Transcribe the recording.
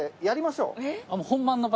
やりましょう。